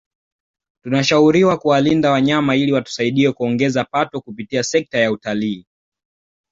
Tunashauriwa kuwalinda wanyama ili watusaidie kuongeza pato kupitia sekta ya utalii